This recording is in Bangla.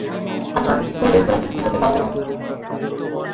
আচ্ছা, তোমার রেস্তোরাঁ কি ইচোফে পাওয়া যাবে?